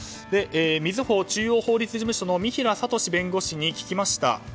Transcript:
みずほ中央法律事務所の三平聡史弁護士に聞きました。